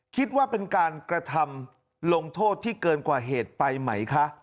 คิดว่าเป็นการกระทำลงโทษที่เกินกว่าเหตุไปไหมคะ